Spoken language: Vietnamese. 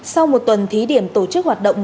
sau một tuần thí điểm tổ chức hoạt động